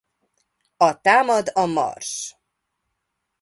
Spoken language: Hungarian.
A Támad a Mars!